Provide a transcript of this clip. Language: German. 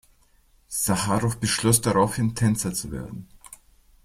Sacharoff beschloss daraufhin, Tänzer zu werden.